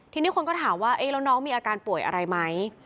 ทีนี้คนก็ถามว่าแล้วน้องมีอาการป่วยอะไรไหม